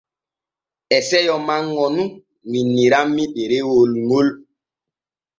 E seyo manŋo nun winnirammi ɗerewol ŋol.